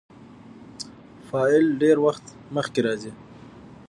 فاعل ډېرى وخت مخکي راځي.